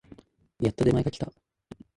やっと出前が来た